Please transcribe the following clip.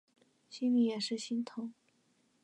心里也是心疼